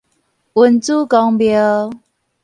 恩主公廟